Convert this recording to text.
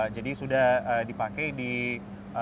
jadi sudah dipakai di ribuan titik di luar ruangan